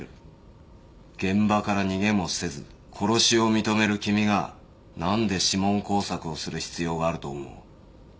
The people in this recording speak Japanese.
現場から逃げもせず殺しを認める君が何で指紋工作をする必要があると思う？